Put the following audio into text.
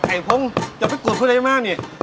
ไอ้พงอย่าไปกลัวพวกใดมาเนี่ย